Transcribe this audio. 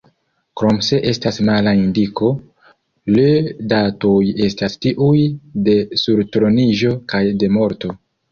Krom se estas mala indiko, le datoj estas tiuj de surtroniĝo kaj de morto.